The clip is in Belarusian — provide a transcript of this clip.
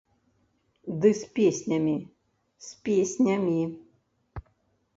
Ды з песнямі, з песнямі!